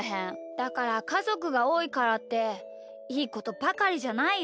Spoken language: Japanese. だからかぞくがおおいからっていいことばかりじゃないよ。